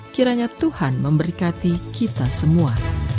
kiranya tuhan memberkati kita semua